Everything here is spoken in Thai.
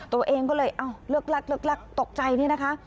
ตัวเองก็เลยเลือกลักตกใจนี่นะคะ